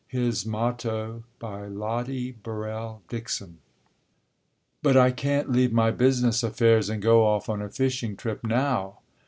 HIS MOTTO LOTTIE BURRELL DIXON "But I can't leave my business affairs and go off on a fishing trip now."